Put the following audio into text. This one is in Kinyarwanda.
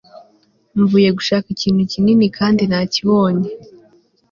mvuye gushaka ikintu kinini, kandi nakibonye